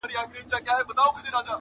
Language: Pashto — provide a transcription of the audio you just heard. که ته نه وې یوه بل ته دښمنان دي؛